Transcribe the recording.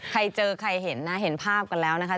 ใครเจอใครเห็นนะเห็นภาพกันแล้วนะคะ